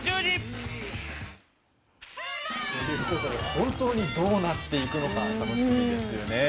本当にどうなっていくのか楽しみですよね。